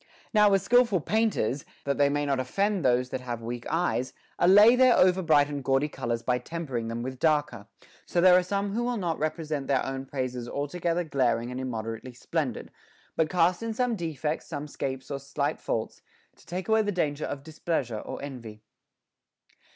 13. Now as skilful painters, that they may not offend those that have weak eyes, allay their over bright and gaudy colors by tempering them with darker ; so there are some who will not represent their own praises altogether * Odyss. XVI. 187. WITHOUT BEING ENVIED. 31 7 glaring and immoderately splendid, bnt cast in some de fects, some scapes or slight faults, to take away the danger of displeasure or envy.